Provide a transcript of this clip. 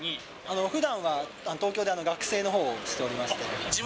ふだんは東京で学生のほうをしておりまして。